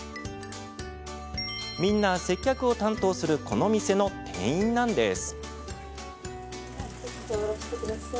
みんな接客を担当するこの店の店員なんです。